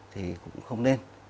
thì cũng không nên